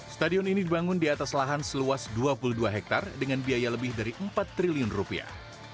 stadion ini dibangun di atas lahan seluas dua puluh dua hektare dengan biaya lebih dari empat triliun rupiah